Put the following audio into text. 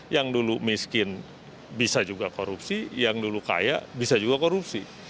yang dulu miskin bisa juga korupsi yang dulu kaya bisa juga korupsi